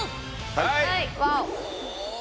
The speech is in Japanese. はい！